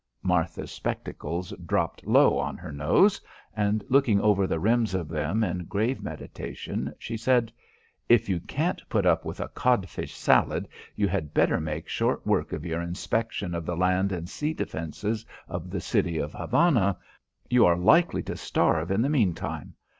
Martha's spectacles dropped low on her nose and, looking over the rims of them in grave meditation, she said: "If you can't put up with codfish salad you had better make short work of your inspection of the land and sea defences of the city of Havana. You are likely to starve in the meantime.